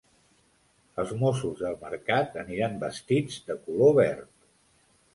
Els mossos del mercat aniran vestits de color verd.